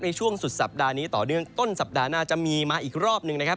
ในช่วงสุดสัปดาห์นี้ต่อเนื่องต้นสัปดาห์หน้าจะมีมาอีกรอบหนึ่งนะครับ